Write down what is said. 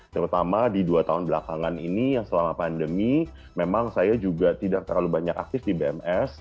terutama di dua tahun belakangan ini yang selama pandemi memang saya juga tidak terlalu banyak aktif di bms